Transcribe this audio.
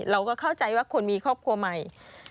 เราก็เข้าใจว่าคนมีครอบครัวใหม่